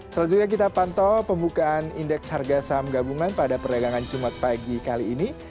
selanjutnya kita pantau pembukaan indeks harga saham gabungan pada perdagangan jumat pagi kali ini